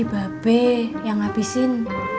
tadi bapak yang abisin